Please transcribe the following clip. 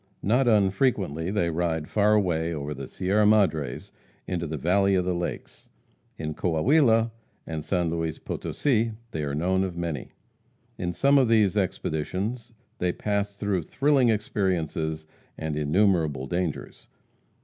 Not unfrequently they ride far away over the Sierra Madres into the valley of the lakes; in Coahuila and San Luis Potosi, they are known of many. In some of these expeditions they pass through thrilling experiences and innumerable dangers.